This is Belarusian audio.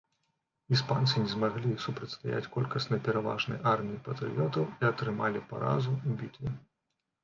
Іспанцы не змаглі супрацьстаяць колькасна пераважнай арміі патрыётаў і атрымалі паразу ў бітве.